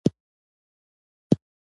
او اوسني مدنيت ته لار هواره شوه؛